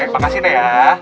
makasih nek ya